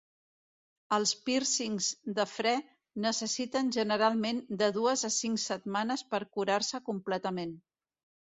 Els pírcings de fre necessiten generalment de dues a cinc setmanes per curar-se completament.